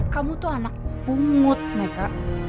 kamu tuh anak pungut mereka